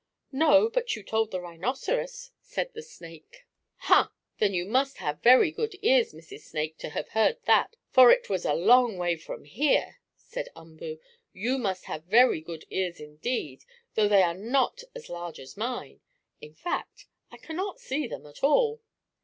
"No, but you told the rhinoceros," said the snake. "Ha! Then you must have very good ears, Mrs. Snake, to have heard that, for it was a long way from here," said Umboo. "You must have very good ears indeed, though they are not as large as mine. In fact I can not see them at all."